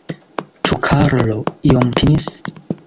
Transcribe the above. Ĉu Karlo iom timis?